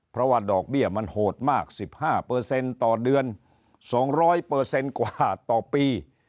เพราะว่าดอกเบี้ยมันโหดมาก๑๕ต่อเดือน๒๐๐กว่าต่อปี